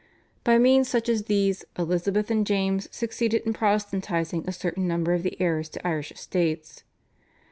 By means such as these Elizabeth and James succeeded in Protestantising a certain number of the heirs to Irish estates.